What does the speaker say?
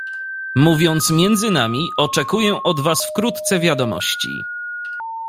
"Mówiąc między nami, oczekuję od was wkrótce wiadomości."